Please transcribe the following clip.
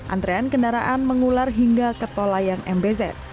antrean kendaraan mengular hingga ke tol layang mbz